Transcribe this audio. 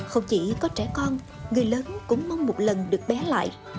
không chỉ có trẻ con người lớn cũng mong một lần được bé lại